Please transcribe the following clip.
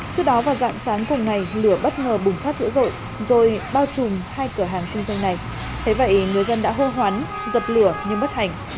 trước đó vào dạng sáng cùng ngày lửa bất ngờ bùng phát dữ dội rồi bao trùm hai cửa hàng kinh doanh này thế vậy người dân đã hô hoán dập lửa nhưng bất hành